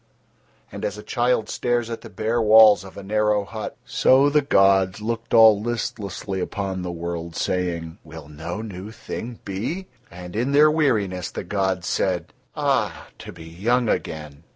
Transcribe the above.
And as a child stares at the bare walls of a narrow hut, so the gods looked all listlessly upon the worlds, saying: "Will no new thing be?" And in Their weariness the gods said: "Ah! to be young again.